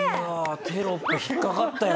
テロップ引っかかったよ